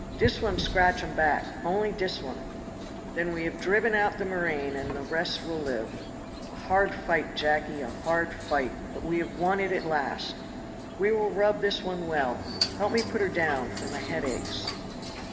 "Dis one scratch um back only dis one." "Then we have driven out the murrain and the rest will live. A hard fight! Jacky, a hard fight! but we have won it at last. We will rub this one well; help me put her down, for my head aches."